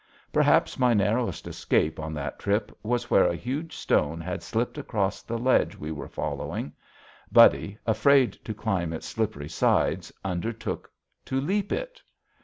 Perhaps my narrowest escape on that trip was where a huge stone had slipped across the ledge we were following. Buddy, afraid to climb its slippery sides, undertook to leap it.